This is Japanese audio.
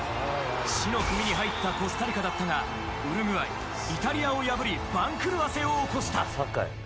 死の組に入ったコスタリカだったがウルグアイ、イタリアを破り番狂わせを起こした。